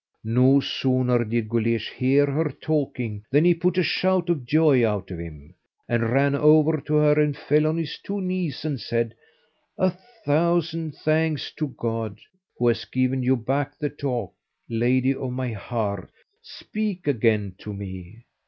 No sooner did Guleesh hear her talking than he put a shout of joy out of him, and ran over to her and fell on his two knees, and said: "A thousand thanks to God, who has given you back the talk; lady of my heart, speak again to me."